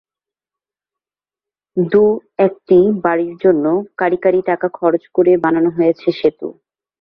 দু-একটি বাড়ির জন্য কাঁড়ি কাঁড়ি টাকা খরচ করে বানানো হয়েছে সেতু।